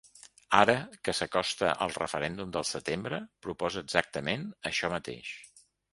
Ara que s’acosta el referèndum del setembre, proposa exactament això mateix.